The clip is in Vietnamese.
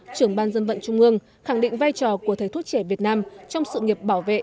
trưởng ban dân vận trung ương khẳng định vai trò của thầy thuốc trẻ việt nam trong sự nghiệp bảo vệ